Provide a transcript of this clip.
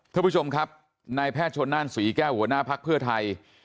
ท่านผู้ชมครับนายแพทย์ชนนั่นศรีแก้วหัวหน้าภักดิ์เพื่อไทย